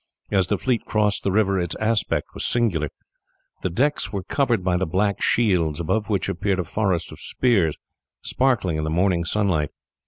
As the fleet crossed the river its aspect was singular. The decks were covered by the black shields, above which appeared a forest of spears, sparkling in the morning sunlight.